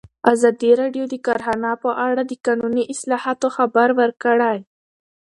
ازادي راډیو د کرهنه په اړه د قانوني اصلاحاتو خبر ورکړی.